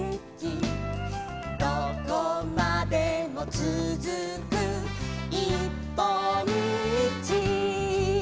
「どこまでもつづくいっぽんみち」